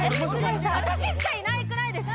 私しかいなくないですか？